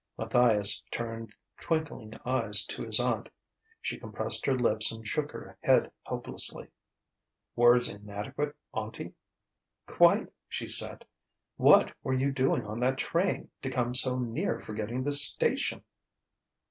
Matthias turned twinkling eyes to his aunt. She compressed her lips and shook her head helplessly. "Words inadequate, aunty?" "Quite!" she said. "What were you doing on that train, to come so near forgetting the station?"